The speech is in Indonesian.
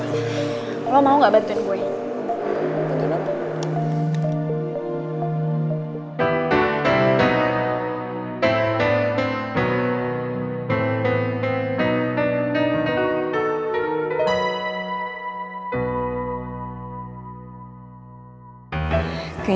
kalau mau gak bantuin gue